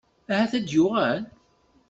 Ahat ad d-tuɣal?